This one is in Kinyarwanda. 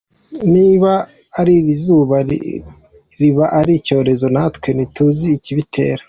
Niba ari iri zuba, niba ari icyorezo, natwe ntituzi ikibitera.